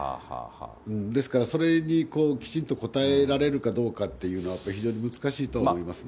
ですからそれにきちんと答えられるかどうかっていうのは、非常に難しいと思いますね。